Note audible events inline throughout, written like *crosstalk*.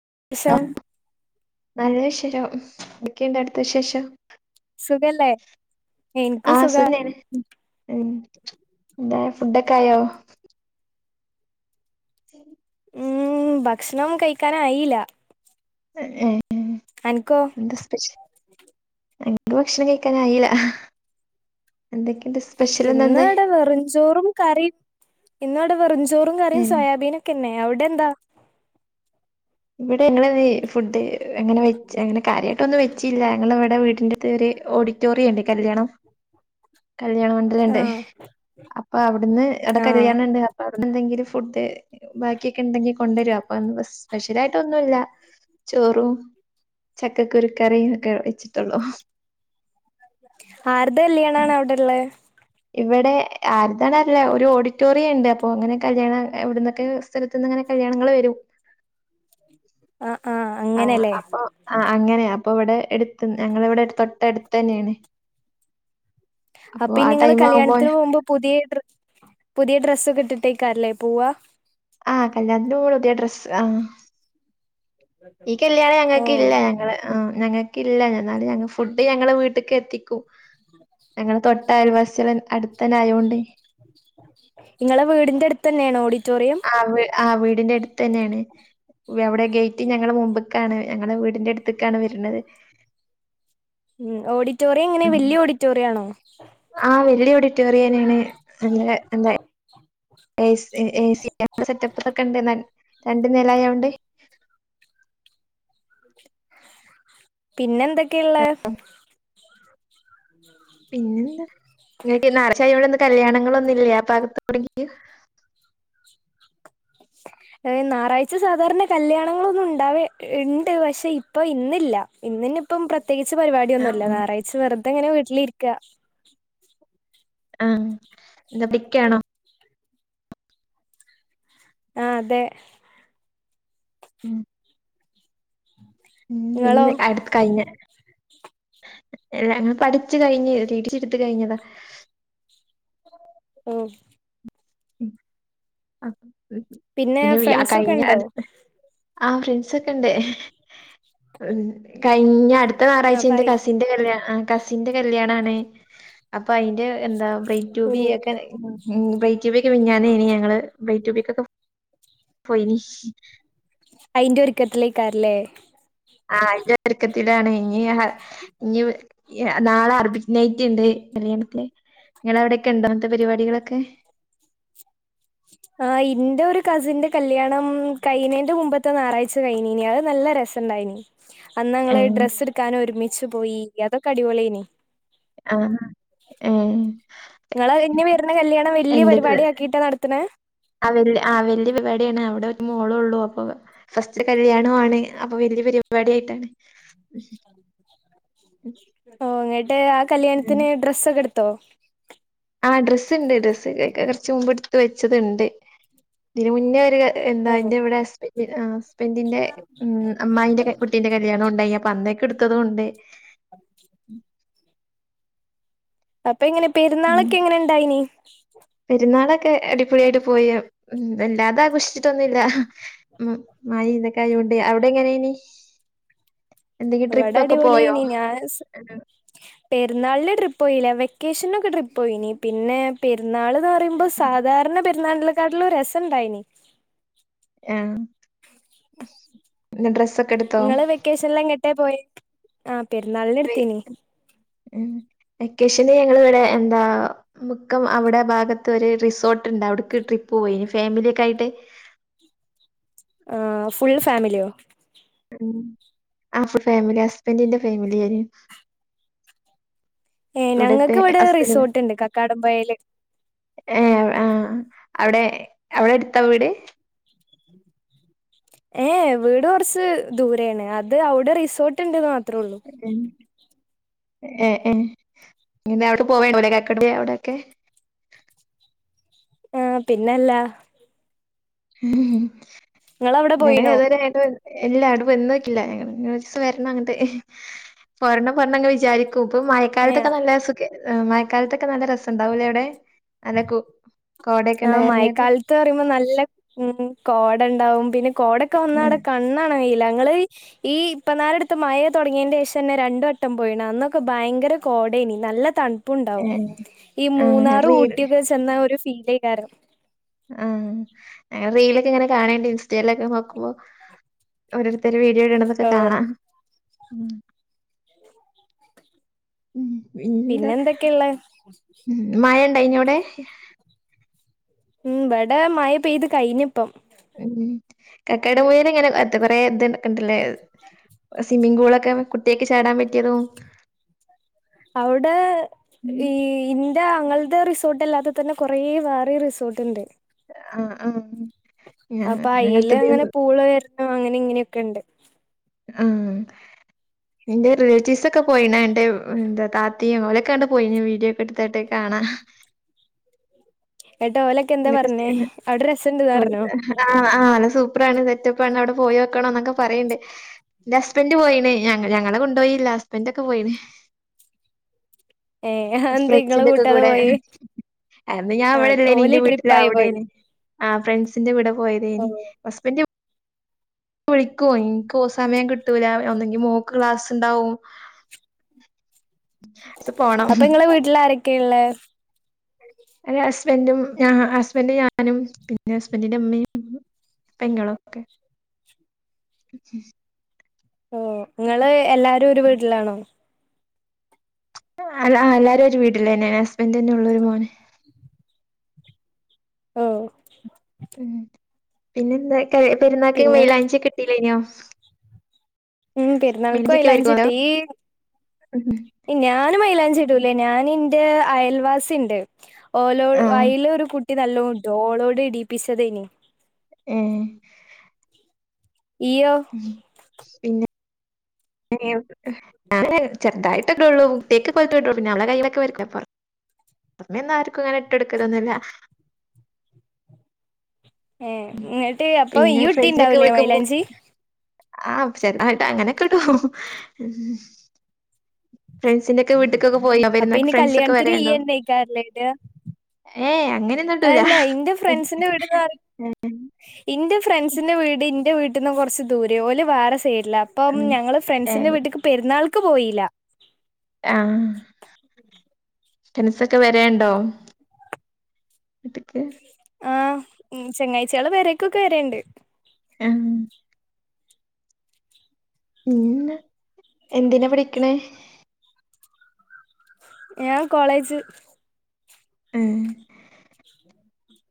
*unintelligible* നല്ല വിശേഷം എന്താ അവിടെത്തെ വിശേഷം സുഖല്ലേ എനിക്കും ആ സുഖ സുഖം തന്നെ ആണ് ഫുഡ് ഒക്കെ ആയോ *inaudible* ഉം ഭക്ഷണം കഴിക്കാൻ ആയില്ല ഏ ഉം എന്താ സ്പെഷ്യൽ ഇവിടെ ഭക്ഷണം കഴിക്കാൻ ആയില്ല എന്തൊക്കെ ഉ ഇന്ന് ഇവിടെ വെറും ചോറും കറി ഇന്ന് ഇവിടെ വെറും ചോ ചോറും ഏ കറിൻ സോയാബീൻ ഒക്കെ ന്നെ അവിടെ എന്താ ഇവിടെ ഞങ്ങളെ വീ ഫുഡ് അങ്ങനെ വെച്ച് അങ്ങനെ കാര്യട്ടൊന്നും വെച്ചില്ല ഞങ്ങള് ഇവി- വീട്ടിന്റെ അടുത്ത് ഒരു ഔഡിറ്റോറിണ്ട് കല്യാണം കല്യാണ മണ്ഡലം ഇണ്ട് ആഹ് അപ്പോ അവിടന്ന് ഔടെ ആഹ് കല്യാണണ്ട് അവിടന്ന് എന്തെങ്കിലും ഫുഡ്‌ ബാക്കിയൊക്കെ ഉണ്ടെങ്കിൽ കൊണ്ടരും അപ്പോ അതിന് കൊറച്ച് സ്പെഷ്യലായിട്ടൊന്നുല്ല ചോറും ചക്കക്കുരു കറി ഒക്കെ വെച്ചിട്ടോളൂ അരുടെ കല്യാണഅവിടെ ഇല്ലേ ഇവിടെ ആരുടെതാന്നറിയില്ല. ഒരു ഓഡിറ്റോറിയണ്ട് പ്പോ കല്യാണം എവിടെന്നെക്കൊ പല സെലത്തിനിങ്ങനെ കല്യാണങ്ങൾ വരും ആഹ് ആഹ് ആ അങ്ങനെല്ലേ അപ്പോ അങ്ങനെ അപ്പോ ഇവിടെ എടുത് ഞങ്ങളെ തൊട്ട എടുത്തെന്നെന്ന് അപ്പ നിങ്ങള് കല്യാണത്തിന് മുമ്പ് പുതിയ ഡ്രെസ്സൊക്കെ ഇട്ട് ട്ടേക്കാരെലെ *unintelligible* പോവാ ആ കല്യാണത്തിന് പുതിയ ഡ്രസ്സ്‌ ആ ഈ കല്യാണം ഓഹ് ഞങ്ങക്കില്ല ഞങ്ങള് ആ ഞങ്ങക്കില്ല ഞന്നാലും ഞങ്ങൾ ഫുഡ് ഞങ്ങളെ വീട്ട്ക്ക് എത്തി ക്കും ഞങ്ങളെ തൊട്ടയൽവാസി ചെലൻ നിങ്ങളെ വീടിന്റട്ത്തെന്നേണോ ഓടി റ്റോറിയം ആ വീടിന്റട് തന്നെണ് അവിടെ ഗേറ്റ് ഞങ്ങടെ മുമ്പ്ക്കാണ് ഞങ്ങടെ വീടിന്റെ അടുത്ത്ക്കാണ് വര്ന്നത് ഉം ഓഡിറ്റോറി യെങ്ങനെ വെല്ല്യ ഓഡിറ്റോറിയാണോ ആ വെല്ല്യ ഓഡിറ്റോറിയനെണ് നല്ലെ അതെ A C A C *unintelligible* setup അതൊക്കെണ്ട് ന രണ്ട് നെലായോണ്ട് പിന്നെന്തെക്കെ ള്ളെ പിന്നെന്താ നിങ്ങക്ക് ഈ ഞായറാഴ്ച യോണ്ട് ഇന്ന് കല്ല്യാണങ്ങളൊന്നുല്ലെ ആ ഭാഗത്ത് യൗടെങ്കിലും ഏയ്‌ ഞായറാഴ്ച സാധാരണ കല്ല്യാണങ്ങളൊന്നും ഉണ്ടാവെ ഇണ്ട് പക്ഷേ ഇപ്പൊ ഇന്നില്ല ഇന്നിനിയിപ്പോ പ്ര ത്യേകിച്ച് പരിവാട്യൊന്നുല്ല ആഹ് ഞായറാഴ്ച വെറ് തെയിങ്ങനെ വീട്ടിലിരിക്ക ആ ദബ്ലിക്കേണോ ആ തേ ഉം ഇന്ന് നിങ്ങളോ വെ *unintelligible* അത് കഴിഞ്ഞെ എ ഞങ്ങൾ പഠിച്ചു കഴിഞ്ഞ് ടി ടി സി ട്ത്ത് കഴിഞ്ഞതാ ഉം ഉം ആ പിന്നേ ഫ്രണ്ട്സ് ഒക്കെ ണ്ടോ ആ ഫ്രണ്ട്‌സൊക്കെ ണ്ട് കഴിഞ്ഞ അട് ത്ത ആ ഞായറാഴ്ച ന്റെ പറയ് കസിന്റെ കല്ല്യാണ ആ കസിന്റെ കല്ല്യാണാണ് *unintelligible* അപ്പയ്ന്റെ എന്താ ബ്രൈഡ് ടു ഓ ബി ഒക്കെ മുംബൈ ഇ മിഞ്ഞാന്നേനി ഞങ്ങൾ ബ്രൈഡ് ടു ബി ക്കൊക്കെ പോയിനി അയിന്റൊര്ക്കത്തിലെക്കാര ല്ലേ ആ അയിന്റൊര്ക്കത്തിലാണ് ഇഞ് ഹ ഇഞ് യ നാളെ അറബിക് നൈറ്റ് ഇ ണ്ട് *unintelligible* നിങ്ങടെ അവിടൊക്കെ ഉണ്ടോ ഇങ്ങനത്തെ പരിപാടികളൊക്കെ ആ ഇ ന്റെ രു കസിന്റെ കല്യാണം കഴിനെന്റെ മുൻപത്തെ ഞാറാഴ്ച്ച കഴിഞീന്നേ അത് നല്ല രസണ്ടായിന്നു അന്നങ്ങള് ഏഹ് ഡ്രസ്സ്‌ ട് ക്കാൻ ഒരുമിച്ചു പോയി യാതോ ക്കെ അടിപൊളീ ന് ആഹ ഏ നിങ്ങള് ഇനി വരുന്ന *unintelligible* കല്യാണം വലിയ പരിപാടി ആക്കിയിട്ടാ നടത്തണേ ആ വല്യ പരിപാടി ആണ് അവിടെ ഒരു മോൾ ഒള്ളൂ ഫസ്റ്റ് പരിപാടി ആണ് അപ്പൊ വല്ല്യ പരിപാടി ആയിട്ടാണ് *unintelligible* ഉ ഓ *unintelligible* ആ കല്യാണത്തിന് ഡ്രസ്സൊക്കെ എടുത്ത് ഓ ആ ഡ്രസ്സ് ഉണ്ട് ഡ്രസ്സ് കുറച്ച് മുമ്പ് എടുത്ത് വെച്ചതുണ്ട് ഇതിന് മുന്നേ ഒരു എന്താ ഓ ന്റെ ഇവിടെ ഹസ് പി ആഹ് പെണ്ണിന്റെ ഉ അമ്മായിന്റെ കുട്ടീന്റെ കല്യാണം ഉണ്ടായി പന്നൊക്കെ എടുത്തത കൊണ്ട് ഉം അപ്പൊ എങ്ങനെ പെരുന്നാളൊക്കെ എങ്ങനെ ഇണ്ടായിനി പെരുന്നാളൊക്കെ അടിപൊളിയായിട്ട് പോയ ഉ വല്ലാതെ ആഘോഷിച്ചിട്ടൊന്നുല്ല ഉ മഴ ഇതൊക്കൊയണ്ട് അവിടെ എങ്ങനെ ഇനി എന്തെങ്കും ഇവിടെ ട്രിപ്പൊക്കെ പോയോ അടിപൊളിയേനി ഞാൻ പെരുന്നാളിന് ട്രിപോയില്ല വെക്കേഷനൊക്കെ ട്രിപ്പ് പോയിനി പിന്നെ പെ ന്നാളിന്ന് പറയുമ്പോ സാധാരണ പെ നണ്ടെക്കാട്ടില രസുണ്ടായിനി ആഹ നിങ്ങളെ വെക്കേഷനില് എങ്ങ ട്ടേ പോയി ആ പെരുന്നാളിന് പോയി. എടുത്തീനി ഉം വെക്കേഷന് ഞങ്ങിവിടെ എന്താ മുക്കം അവിടെ ഭാഗത്ത് ഒരു റിസോർട്ടുണ്ട് അവിടെക്കെ ട്രിപ്പ് പോയിനി ഫാമിലിയെക്ക് ആയിട്ട് ആ ഫുൾ ഫാമിലിയോ ആ ഫ ഫാമിലി ഹസ്ബന്റിന്റെ ഫാമിലി ഏ ഇവിടത്തെ ഞങ്ങൾക്ക് ഇവിടെ ഹസ്ബൻഡ് റിസോർട്ടുണ്ട് കക്കാടംപയൽ ഏ ആ അവിടെ എവിടെ അടുത്താ വീട് ഏ വീട് കൊറച്ച് ദൂരെയാണ് അത് അവിടെ റിസോർട്ടുണ്ടെന്നു മാ പത്രോള്ളൂ ഏ ഏ ഇ അവിടെ പോവണ്ടലെ കാക്കട അവിടൊ ക്കെ ആഹ പിന്നല്ലാ ഉ പോയിണോ *unintelligible* എല്ലാരും ഇന്നുപറ്റ് ല്ല ഒരീസം വര് ണ്ണ ങ്ക് ട്ട് പോരണം പോരണം വിചാരിക്കും കു ഇപ്പം ഏ മയക്കാലത്തൊക്കെ നല്ലെ സുഗെ മഴക്കാലത്തൊക്കെ നല്ല രസം ണ്ടാവൂലേ അവിടെ അനക്കു ആഹ മയ ക്കാൽ ത്ത് പറയുമ്പോ നല്ല ഉം ഉം കോട ഉണ്ടാവും പിന്നെ കോടൊക്കെ വന്നാടെ ആഹ് കണ്ണ ണ യിലാ ങ്ങള് ഈ ഇപ്പ നാല് ട് ത്ത് മഴ തുടങ്ങിയന്റെ ശേഷം ന്നെ രണ്ട് വട്ടം പോയിണ് അന്നൊക്കെ ഭയങ്കര കോടേനി നല്ല ത പു ണ്ടാവും ഏഹ് ഈ ആഹ് മൂന്നാറ് റീൽ ഊട്ടിയക്കെ ചെന്ന ഒരു ഫീ *unintelligible* ആ റീലൊക്കെ ഇങ്ങനെ കാണണ്ട് ഇൻസ്റ്റയിലൊക്കെ നോക്കുമ്പോ ഓരോരു തര് വീഡിയോട്ന്ന തൊക്കെ ഓ കാണാം *inaudible* പിന്താ പിന്നെ എന്തൊക്കെയള്ളേ മഴ കൈഞ്ഞോ ടെ ഉം ഇവിടെ മഴ പെയ്ത് കഴഞ്ഞി പ്പം ഉം കക്കടെ *unintelligible* ഇങ്ങനെ ക്കാ ത്ത് കൊറെ ഇത് ണ്ട് *unintelligible* സ്കൂളൊക്കെ കുട്ടിയോക്ക് ചാ ടാൻ പറ്റി യതും *unintelligible* ഞങ്ങൾ ടെ റിസോർട്ട് അല്ലാതെ തന്നെ കുറെ വേറീം റിസോർട്ടു ണ്ട് ആ ആ അപ്പയിലങ്ങനെ പൂള് ആ അങ്ങനീം ഇങ്ങനീം യൊക്കെ ണ്ട് ആ എന്റെ റിലേറ്റീവ്സ് ഒക്കെ പോയിണെ എന്റെവ് *unintelligible* താത്തീം ഓ ലൊക്കെങ്‌ട് പോയി നു വീഡിയോ ഒക്കെട് ത്തി ട്ട് കാണാ എട്ടാ ഓലൊക്കെ എന്താ പർ ഞ്ഞേ അവിടെ രസംണ്ട് പർ ഞ്ഞോ ആഹ് അന സൂപ്പർ ആണ് സെറ്റപ്പാ ണ് അവിടെ പോയോ ക്ക് ക്കണം ന്നൊക്കെ പറീണ്ട് ന്റെ ഹസ്ബന്റ് പോയിണ് ഞൻ ഞങ്ങളെ കൊണ്ടോയില്ല ഹസ്ബൻറ് ക്കെ പോയിണ് ഏ എ അതെന്തേ ഇങ്ങളെ ഫ്രചിന്റെ ക്കെ കൂട്ടാതെ കൂടെ പോയേ അന്ന് ഞാൻ ആ വിടെല്ലേനി ഓല് ന്റെ വീട്ടില ട്രിപ്പായി പോയി അവിടെനി ആ് ഫ്രണ്ട്സിന്റെ വിട ഓ പോയതേനി ഹസ്ബന്റ് ഉ വിളിക്കുവോ, എനിക്കോ സമയം കിട്ടൂല ഒന്നെങ്കി മോൾക്ക് ക്ലാസ്സുണ്ടാവും. ച് പോണം ക്കെയുള്ളേ എന്റെ ഹസ്ബൻഡും ഹ ഹ ഹസ്ബൻഡു, ഞാനും പിന്നെ ഹസ്ബൻഡിന്റെ മ്മീം പെങ്ങളൊക്കെ ഓ ങ്ങള് എല്ലാരും ഒരു വീട്ടിലാണോ? ആ ലാ എല്ലാരും ഒരു വീട്ടിലെന്നെ ഹസ്ബൻഡ് ന്നെയുള്ളൊരു മോന് ഓ ഉം.. പിന്നെന്തായി പയ് പെരുന്നാക്ക് പിന്നെ മയിലാഞ്ചിയൊക്കെ ഇട്ടീല്ലേഴിഞ്ഞോ ഉം മൈലാഞ്ചിക്കെ വര്ക്കോലോ പെരുന്നാൾകൊയ്ലാഞ്ചിട്ടീ ഇ ഞാനും മൈലാഞ്ചി ടൂലെ ഞാനെന്റെ അയൽവാസിണ്ട് ഓലോൾ ആഹ് വയ്ലൊരു കുട്ട് ട്ടിനല്ലോടോ ഓളോട് ഇടീപ്പിച്ചതേഞ് ഏ ഹ് ഇയ്യോ ഉം പിന്നെ *unintelligible* ഞാന് ചെറുതായിട്ടൊക്കെള്ളൂ, തേക്ക് കൊയുത്തു ട്ടു പിന്നെ അവളെ കയ്യിലൊക്കെ വരിക്കപ്പറം അമ്മയൊന്നു ആർക്കും അങ്ങനെ ട്ടു കൊടുക്കലൊന്നുല്ല ഏ ന്നിട്ട് അപ്പൊ ഇയും ഇട്ടിണ്ടാവുലെ മൈലാഞ്ചി ആ ചെറുതായിട്ടങ്ങനെക്കെ ഇടു ഫ്രണ്ട്സിന്റെക്കെ വീട്ടിൽ അപ്പൊയിനി കല്യാൺത്തിന് ഈഎന്നേയ്ക്കാര്ലെടാ ഏഹ് അങ്ങനെയൊന്നും ഇടൂല അല്ല, ഇന്റെ ഫ്രണ്ട്സിന്റെ വീട്ടിന്നാര് ഇന്റെ ഫ്രണ്ട്സിന്റെ വീടി ന്റെ വീട്ടിന്നും കൊർച്ച്ദൂരെ യോല് വാറെസ് പേരില്ലപ്പം ഉം ഞങ്ങള് ഫ്രണ്ട്സിന്റെ ഏഹ് വീട്ടിക് പെരുന്നാൾ ക്ക്പോയീല്ല ആഹ് പെൻസൊക്കെ വരേണ് ഉണ്ടോ ആഹ് ഈ ശനിയാഴ്ചകള്‌ വേറെയൊക്കെ വരണ്ട് ഏം ഉ എന്തിനതിനാ പഠിക്കണ ഞാൻ കോളേജ് ഉ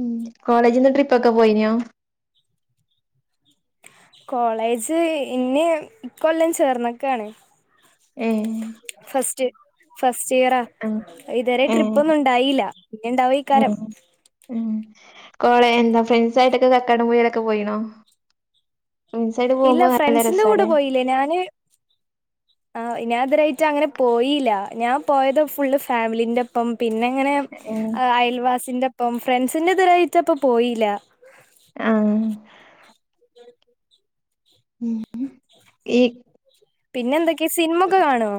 ഉ കോളേജിനു ട്രിപ്പൊക്കെ പോയിനോ കോളേജ് ഇന്ന ഇക്ക കൊല്ലം ചേർന്നൊക്കെയ ആാണ് ഏഹ് ഫസ്റ്റ് ഫസ്റ്റ് ഇയർ ആഹ് ഇതവരെ ട്രിപ്പ ഏഹ് ഒന്നും ഇണ്ടായില്ല പിന്നെ ഇണ്ടാവോ ഇക്കാരം ഉംകോളേജിൽ എന്താ ഫ്രണ്ട്സ ആയിട്ടൊക്കെ കക്കാടപഴയിലൊക്കെ പോയിണോ ഫ്രണ്ട്സായിട്ട് ഇല്ല പോകുമ്പോ നല്ല ഫ്രണ്ട്സിന്റെ കൂടെ രസാല്ലേ പോയില്ലേ ഞാന് ഇതുവരെ ആയിട്ട് മറ്റ അങ്ങനെ പോയില്ല ഞാൻ പോയത് ഫുള്ള് ഫാമിലീൻറ ഒപ്പം പിന്നെ അങ്ങനെ ഏഹ് അയൽവാസിന്റെ അപ്പം ഫ്രണ്ട്സിൻററെതരായിട്ട് അപ്പം പോയില്ല ആഹ് ഉ പിന്നെന്ത സിനിമൊക്കെ കാണോ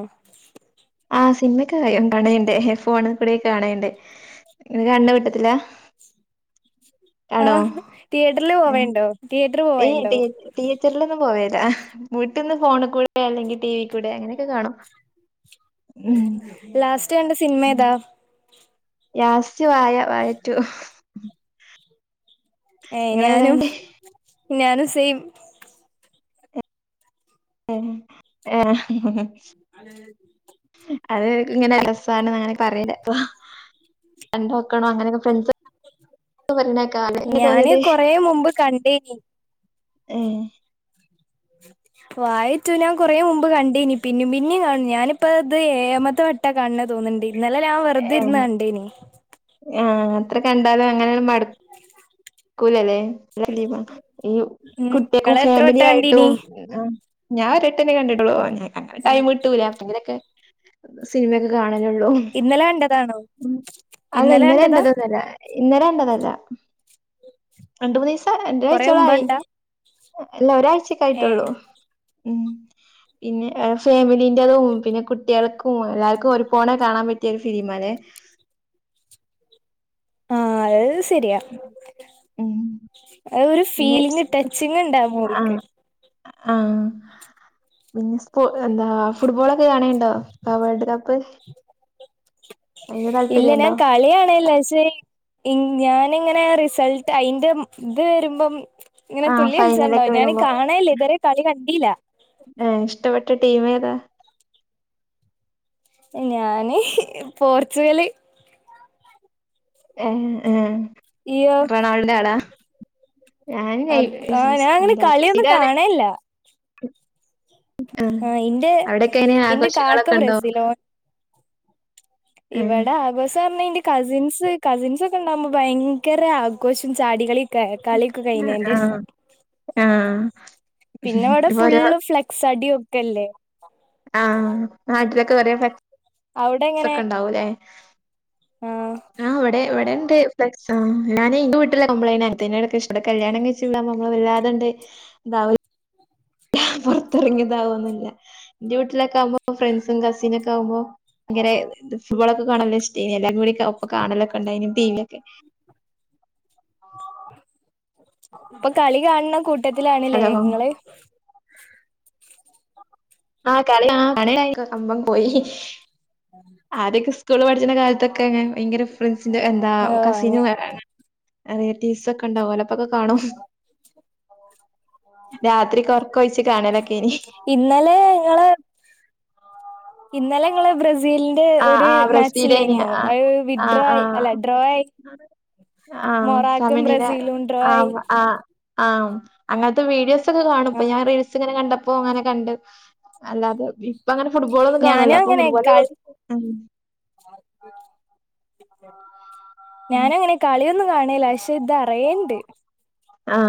ആഹ സിനിമക്ക കാണണ്ടേ ഫോൺ കൂടെക്കെ കാണയുണ്ട് കാണാതെ പറ്റത്തില്ല ആ തിയേറ്ററിില് പോവേണ്ടോ തിയ ഏ ത- തീയേറ്ററിൽലൊന്നും പോവല്ല വീട്ടിൽന്ന് ഫോണിൽ കൂടെ അല്ലെങ്കിൽ ടിവി കൂടെ അങ്ങനെയൊക്കെ കാണോ ലാസ്റ്റ് എന്റെ സിനിമ ഏതാ ലാസ്റ്റ് സ്യ വായ *unintelligible* വായറ്റു ഉം *unintelligible* ഏ ഞാനും ഞാനും സെയിം *unintelligible* അതെ അത് ഇങ്ങനെ രസ അങ്ങനൊക്കെ പറല്ല അപ്പൊക്കണോ അങ്ങനക്കെ ഫ്രണ്ട് ഞാന് കൊറ മുമ്പ് കണ്ടേനി ഏ വായിട്ടു ഞാൻ കൊറ മുമ്പ് കണ്ടേനി പിന്ന പിന്നേും കാണു ഞാനിപ്പ അത് ഏഴമത്തെ വട്ട കാണ തോന്നിണ്ടേ ഇന്നലെ ഞാൻ വെറുതെ ഇരുന്ന് കണ്ട ഇനി ആഹ അത്ര കണ്ടാലും അങ്ങനെയ മടു കുലല്ലേ *unintelligible* ലീവാ ഈ ഉം കുട്ട്യേക്കും ഇങ്ങള് എത്ര വട്ട ഫാമില്യാ കണ്ടീനി യിട്ടും ആ ഞാ ഒരട്ടന്നെ കണ്ടിട്ടൊളു *unintelligible* അങ്ങനെ ആഹ് ടൈമ്ട്ടൂല എപ്പങ്കിലൊക്കെ സിനിമെകെ കാണ ലെള്ളൂ ഇന്നലെ കണ്ടതാണോ ഉം അല്ലെ ഇന്നലെ *unintelligible* ഇന്നലെ കണ്ടതല്ല. രണ്ട് മൂന്നീസ്സാ *unintelligible* കൊറേ മുമ്പ് ഴ്ച്ചോളായി കണ്ടാ അല്ല ഒരാഴ്ചക്കായിട്ടൊള്ളൂ. ഏഹ് ഉം പിന്നെ ഏഹ് ഫാമിലീൻ്റെതും പിന്നെ കുട്ട്യേൾക്കും എല്ലാർക്കും ഒരു പോണെ കാണാൻ പറ്റ്യൊരു ഫിലിമാലെ പയേസ് തെരിയാ ഉം ആ ഒരു പിന്നെ ഫീലിംഗ് ടച്ചിങ് ണ്ടാ മൂവിക്ക്. ആ പിന്നെ സ്കൂ എന്താ ഫുട്ബോളൊ ക്കെ കാണേണ്ടോ? ആ വേൾഡ് കപ്പ്‌. ഇല്ല ഞാൻ കളി കാണേല്ല പഷേ ഇങ്ങ് ഞാനിങ്ങ ന്നേ റിസൾട്ടയിന്റെ ഉം ത് വരുമ്പം ഉം ഇങ്ങനെ ആഹ് തുള്ളി ഫൈനലൊക്കെ കൾച്ചാണ്ടാവും. ഞാന് വരുമ്പോ കാണേല്ല ഇത് വരെ കളികണ്ടീല്ല. ടീമേതാ ഞാന് പോർച്ചുഗല് ഏഹ് ആഹ് ഇയ്യോ ഞാൻ നെയ് അത് ആ ഞാന് എന്താ കളിയൊന്നും ബ്രസീലാണ് കാണേല്ല ആഹ് ഇന്റേ അവിടെക്കെ എങ്ങനെ ഇന്റ ആഘോഷങ്ങളൊക്കെ കാക്ക ഉണ്ടോ ബ്രസീല ഓൻ ഏഹ് ഇവടെ ആഘോസാർന്ന ഇന്റെ കസിൻ സ് കസിൻസൊക്കെണ്ടാവുമ്പൊ ഭയങ്കരാഘോഷും ചാടികളിം കെ കളിയൊകെ കഴിഞ്ഞേന്റേഷം. ആഹ് ആഹ് പിന്നെവടെ ഇപ്പൊ ഓരോ ഫുള്ള് ഫ്ലക്സടിയും ക്കെല്ലേ ആഹ് നാട്ടിലൊകെ ഒരേ ഫ്ല അവിടെ എങ്ങനെ സൊക്കെണ്ടാവുലേ ആഹ് ഇവടെ ഇവടെ ണ്ട് ഫ്ളക്സും ഞാന് ഇന്റെ വീട്ടിലാവുമ്പളേനി അങ്ങൻതെയ്നോടൊണ് ഇഷ് ഇബടെ കല്യാണം കഴിച്ച വീടാവുമ്പൊ നമ്മള് വല്ലാതണ്ട് ദാവൂല പൊറത്തിറങ്ങിയ ദാവൊന്നുല്ല. ഇന്റെ വീട്ടിലൊക്കാവുമ്പോ ഫ്രണ്ട്സും കസിനൊക്കെ ആവുമ്പോ ഭാങ്കര ത് ഫുഡ്‌ബോളൊക്കെ കാണല് ഇഷ്ട്ടെന് എല്ലാർക്കും കൂടി ഒപ്പം കാണാലൊക്കെ ഇണ്ടേന് ട്ടീവീക്കെ പൊ കളി കാണണം കു ട്ടത്തിലാണ്ലെ ഹലോ ഇങ്ങള് ആ കളി കാണാൻ ക്ക്‌ കമ്പം പോയി ആദ്യത്തെ സ് കൂളിൽ പഠിക്കുന്ന കാലൊക്കെ അ ഭയങ്കര ഫ്രണ്ട് റെ എന്താ ഏഹ് അങ്ങനെ കസിനും അനിയതീസ് ഒക്കെ ഉണ്ടാവലോ അ പ്പൊക്കെ കാണും രാത്രി കറ ഇന്നലെ ങ്ങളെ ഇന്നലെ നിങ്ങളെ ബ്ര ബ്രസീലിന്റെ ആ ഒരു ആ മാച്ച് ബ്രസീലേനി ഇല്ലേനോ ആ അ ആ വിഡഡ്രോ ആ ആയി അല്ല ഡ്രോ ആയി ആഹ് മൊറാാക്കും ബ്രസീലും ഡ്രോ ആയി ആഹ അങ്ങനത്തെ വീഡിയോസ് ആഹ് കാണുപ്പം റീൽസ്ങ്ങനെ കണ്ട ഇപ്പോഅങ്ങനെ കണ്ട് അല്ലാതെ അപ്പ അങ്ങനെ ഫുട്‌ബോൾന്നുംകാണുല അപ്പ ഫുട്ബോള കളി ആണ അ ഉം ഞാന അങ്ങനെ കളിയൊന്നും കാണല പക്ഷെ ഇത അറിയണ്ട് ആ